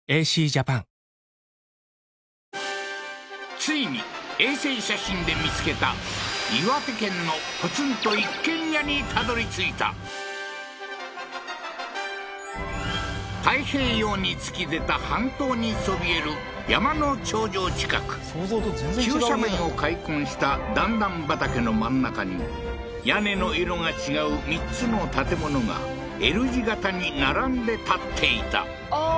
ついに衛星写真で見つけた岩手県の太平洋に突き出た半島にそびえる山の頂上近く急斜面を開墾した段々畑の真ん中に屋根の色が違う３つの建物がＬ字型に並んで建っていたあっ